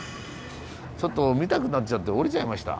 ちょっと見たくなっちゃって降りちゃいました。